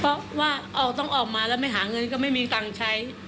เพราะว่าต้องออกมาแล้วไม่หาเงินก็ไม่มีตังค์ใช้